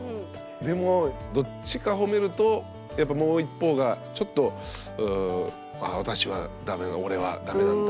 でもどっちかほめるとやっぱもう一方がちょっとああ私はダメだ。